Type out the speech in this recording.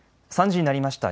３時になりました。